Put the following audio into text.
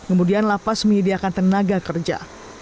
kemudian lapas menyediakan tenaga